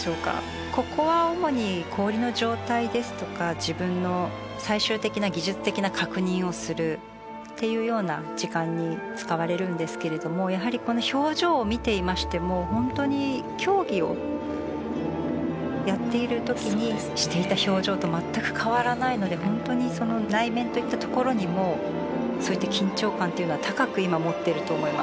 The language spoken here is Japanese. ここは主に氷の状態ですとか自分の最終的な技術的な確認をするっていうような時間に使われるんですけれどもやはりこの表情を見ていましても本当に競技をやっている時にしていた表情と全く変わらないので本当に内面といったところにもそういった緊張感っていうのは高く今持っていると思います。